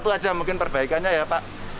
itu aja mungkin perbaikannya ya pak